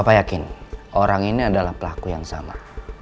saya yakin orang ini adalah pelaku yang sama